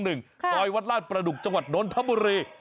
ซอยวัดลาดประดุกจังหวัดนนทบุรี